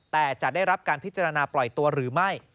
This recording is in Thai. แต่จะได้รับการพิจารณาปล่อยตัวหรือไม่